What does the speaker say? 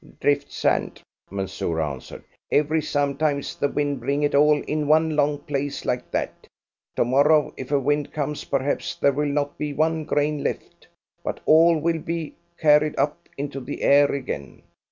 "Drift sand," Mansoor answered. "Every sometimes the wind bring it all in one long place like that. To morrow, if a wind comes, perhaps there will not be one grain left, but all will be carried up into the air again.